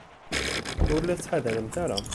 Ur la tettḥadaremt ara.